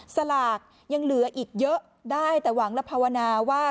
สลากยังเหลืออีกเยอะได้แต่หวังและภาวนาว่า